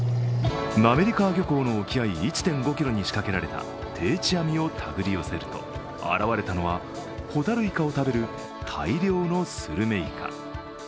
滑川漁港の沖合１．５ｋｍに仕掛けられた定置網を手繰り寄せると現れたのは、ホタルイカを食べる大量のスルメイカ。